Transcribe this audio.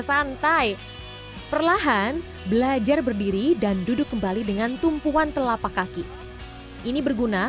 santai perlahan belajar berdiri dan duduk kembali dengan tumpuan telapak kaki ini berguna